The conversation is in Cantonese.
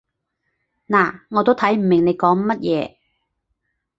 嗱，我都睇唔明你講乜嘢